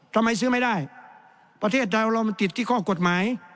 ทำไมซื้อไม่ได้ประเทศเรามันติดที่ข้อกฎหมาย